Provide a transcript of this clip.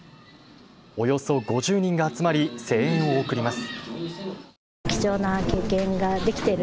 およそ５０人が集まり声援を送ります。